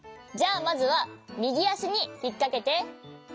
じゃあまずはみぎあしにひっかけて。